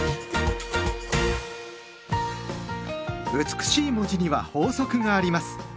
美しい文字には法則があります。